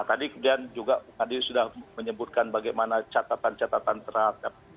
tadi kemudian juga tadi sudah menyebutkan bagaimana catatan catatan terhadap